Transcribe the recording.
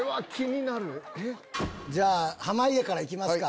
じゃあ濱家から行きますか。